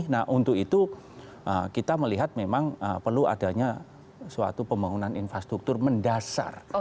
nah untuk itu kita melihat memang perlu adanya suatu pembangunan infrastruktur mendasar